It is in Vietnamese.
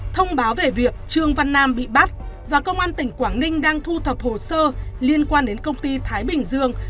thông báo về việc trương văn nam bị bắt và công an tỉnh quảng ninh đang thu thập hồ sơ liên quan đến công ty thái bình dương